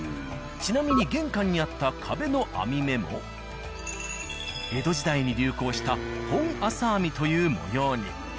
ちなみに玄関にあった壁の編み目も江戸時代に流行した本麻編みという模様に。